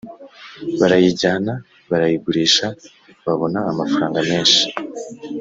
» barayijyana barayigurisha babona, amafaranga menshi